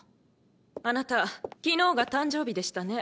あなた昨日が誕生日でしたね。